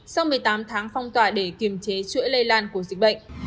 sau một mươi tám tháng phong tỏa để kiềm chế chuỗi lây lan của dịch bệnh